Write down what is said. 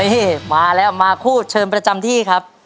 นี่มาแล้วมาคู่เชิญประจำที่ครับ